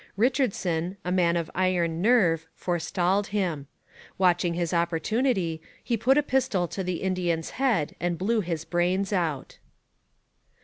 Richardson, a man of iron nerve, forestalled him. Watching his opportunity, he put a pistol to the Indian's head and blew his brains out.